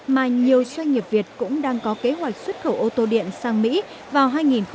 mà nhiều doanh nghiệp việt cũng đang có kế hoạch xuất khẩu ô tô điện sang mỹ vào hai nghìn hai mươi